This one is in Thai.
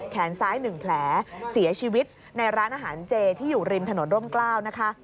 แขนซ้าย๑แผลเสียชีวิตในร้านอาหารเจที่อยู่ริมถนนร่มกล้าวนะคะ